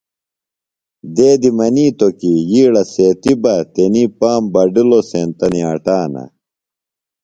دیدیۡ منِیتوۡ کی یِیڑہ سیتیۡ بہ تنیۡ پام بڈِلوۡ سینتہ نِیاٹانہ۔